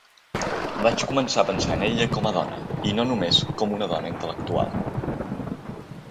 Vaig començar a pensar en ella com a dona i no només com una dona intel·lectual.